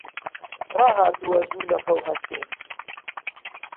ڕاهاتووە زوو لە خەو هەستێت.